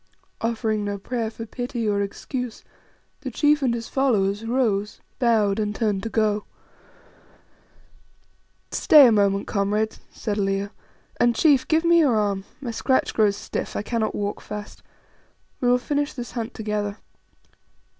Offering no prayer for pity or excuse, the chief and his followers rose, bowed, and turned to go. "Stay a moment, comrades," said Leo, "and, chief, give me your arm; my scratch grows stiff; I cannot walk fast. We will finish this hunt together."